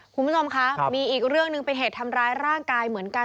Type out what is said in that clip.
คุณผู้ชมคะมีอีกเรื่องหนึ่งเป็นเหตุทำร้ายร่างกายเหมือนกัน